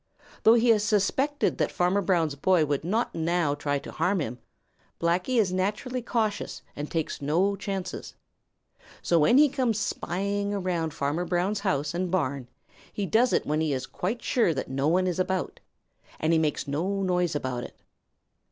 Though he has suspected that Farmer Brown's boy would not now try to harm him, Blacky is naturally cautious and takes no chances. So when he comes spying around Farmer Brown's house and barn, he does it when he is quite sure that no one is about, and he makes no noise about it.